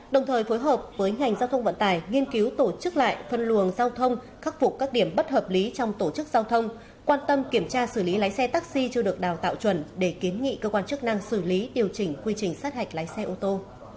đồng thời phối hợp với ngành giao thông vận tải nghiên cứu tổ chức lại phân luồng giao thông khắc phục các điểm bất hợp lý trong tổ chức giao thông quan tâm kiểm tra xử lý lái xe taxi chưa được đào tạo chuẩn để kiến nghị cơ quan chức năng xử lý điều chỉnh quy trình sát hạch lái xe ô tô